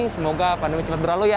semoga pandemi cepat berlalu ya